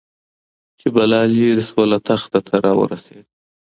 چي بلا ليري سوه له تخته ته راورسېدې